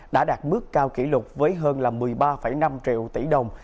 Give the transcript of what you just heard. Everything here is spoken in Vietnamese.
đã đạt mức cao kỷ lục với hơn một mươi ba năm triệu tỷ đồng